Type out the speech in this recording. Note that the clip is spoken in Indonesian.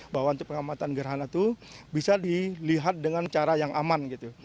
bahwa untuk pengamatan gerhana itu bisa dilihat dengan cara yang aman gitu